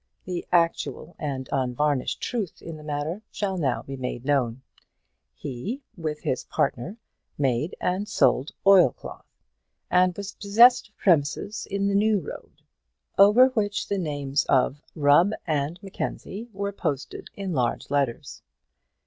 The actual and unvarnished truth in the matter shall now be made known. He, with his partner, made and sold oilcloth, and was possessed of premises in the New Road, over which the names of "Rubb and Mackenzie" were posted in large letters.